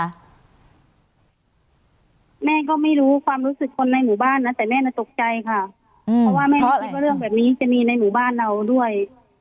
แม่ก็ไม่รู้ความรู้สึกคนในหมู่บ้านนะแต่แม่น่ะตกใจค่ะเพราะว่าแม่ไม่คิดว่าเรื่องแบบนี้จะมีในหมู่บ้านเราด้วย